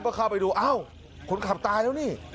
ก็เข้าไปดูอ้าวคนขับตายแล้วนี่